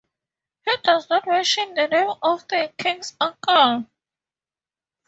He does not mention the name of the king's uncle.